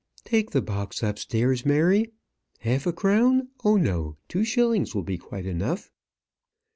"Take the box upstairs, Mary. Half a crown! oh no, two shillings will be quite enough."